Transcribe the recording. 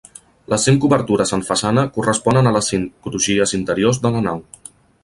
Les cinc obertures en façana corresponen a les cinc crugies interiors de la nau.